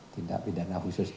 tindak pidana khusus